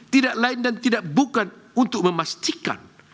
tidak lain dan tidak bukan untuk memastikan